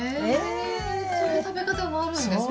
そういった食べ方もあるんですか？